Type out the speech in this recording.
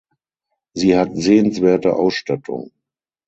Sie hat sehenswerte Ausstattung.